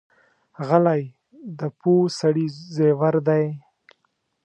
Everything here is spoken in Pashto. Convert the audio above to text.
غلی، د پوه سړي زیور دی.